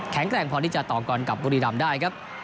แกร่งพอที่จะต่อกรกับบุรีรำได้ครับ